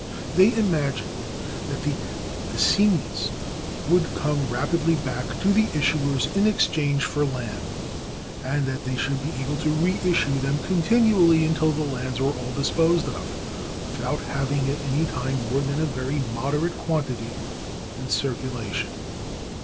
They imagined that the assignats would come rapidly back to the issuers in exchange for land, and that they should be able to reissue them continually until the lands were all disposed of, without having at any time more than a very moderate quantity in circulation.